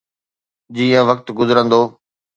جيئن وقت گذرندو.